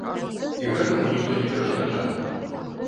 І гэтаму ніхто не перашкаджае.